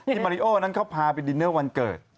มาริโอนั้นเขาพาไปดินเนอร์วันเกิด